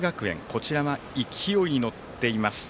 こちらは勢いに乗っています。